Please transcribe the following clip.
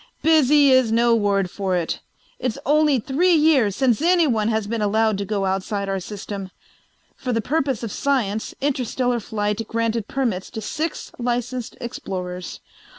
"Busy is no word for it. It's only three years since anyone has been allowed to go outside our system. For the purpose of science Interstellar Flight granted permits to six licensed explorers.